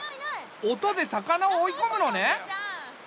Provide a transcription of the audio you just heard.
音で魚を追いこむのね。